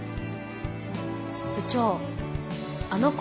部長あの子